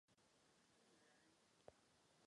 V minulosti jsme uspořádali již mnoho summitů.